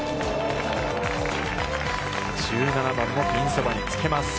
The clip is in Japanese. １７番もピンそばにつけます。